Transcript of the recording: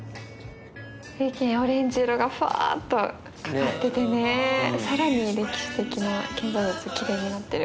オレンジ色がふわっとかかっててね更に歴史的な建造物キレイになってる。